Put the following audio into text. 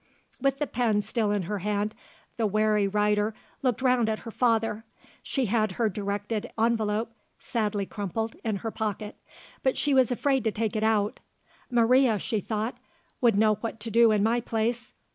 _ With the pen still in her hand, the wary writer looked round at her father. She had her directed envelope (sadly crumpled) in her pocket; but she was afraid to take it out. "Maria," she thought, "would know what to do in my place.